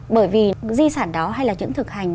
bởi vì di sản đó hay là những thực hành